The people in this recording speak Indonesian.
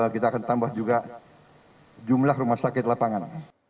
kita akan tambah juga jumlah rumah sakit lapangan